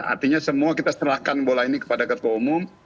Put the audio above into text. artinya semua kita serahkan bola ini kepada ketua umum